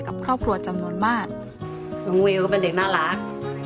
กับครอบครัวจำนวนมากลุงวิวก็เป็นเด็กน่ารัก